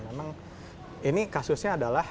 memang ini kasusnya adalah